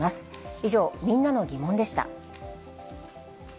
以上、みんなのギモンでした。